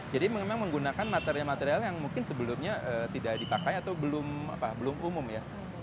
jadi memang menggunakan material material yang mungkin sebelumnya tidak dipakai atau belum umum ya